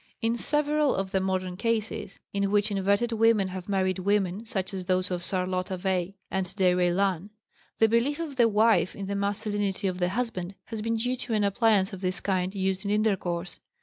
In several of the modern cases in which inverted women have married women (such as those of Sarolta Vay and De Raylan) the belief of the wife in the masculinity of the "husband" has been due to an appliance of this kind used in intercourse.